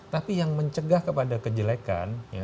tapi yang mencegah kepada kejelekan